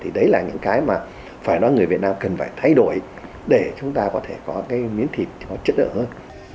thì đấy là những cái mà phải nói người việt nam cần phải thay đổi để chúng ta có thể có cái miếng thịt nó chất lượng hơn